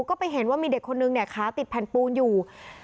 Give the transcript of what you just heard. ก็ไปเห็นว่ามีเด็กคนนึงเนี่ยขาติดแผ่นปูนอยู่